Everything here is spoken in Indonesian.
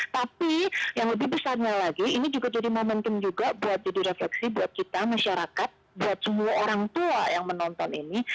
tapi yang lebih besarnya lagi ini juga jadi momentum juga buat jadi refleksi buat kita masyarakat buat semua orang tua yang menonton ini